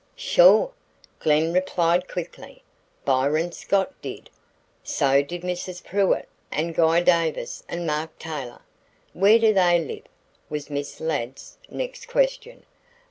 "Sure," Glen replied quickly. "Byron Scott did. So did Mrs. Pruitt and Guy Davis and Mark Taylor." "Where do they live?" was Miss Ladd's next question.